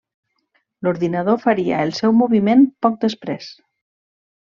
L'ordinador faria el seu moviment poc després.